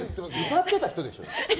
歌ってた人でしょ。